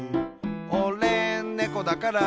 「おれ、ねこだから」